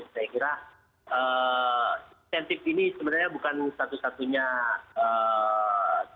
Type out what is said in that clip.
saya kira insentif ini sebenarnya bukan satu satunya